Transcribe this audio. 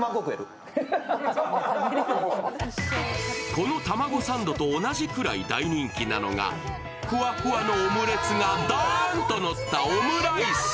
このたまごサンドと同じぐらい大人気なのがふわふわのオムレツがどーんとのったオムライス。